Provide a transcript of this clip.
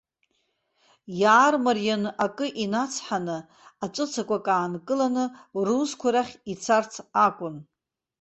Иаармарианы акы инацҳаны, аҵәыцақәак аанкыланы, русқәа рахь ицарц акәын.